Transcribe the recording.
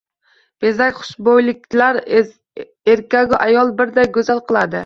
Bezak, xushbo‘yliklar erkagu ayolni birday go‘zal qiladi.